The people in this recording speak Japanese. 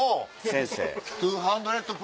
先生。